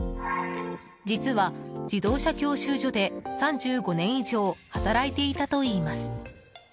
実は自動車教習所で３５年以上働いていたといいます。